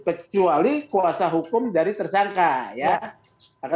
kecuali kuasa hukum dari tersangka ya